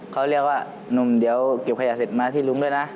เขาเรียกว่านุ่มเดี๋ยวเก็บขยะเสร็จมาที่ลุงด้วยนะ